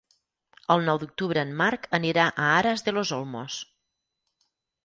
El nou d'octubre en Marc anirà a Aras de los Olmos.